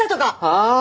ああ！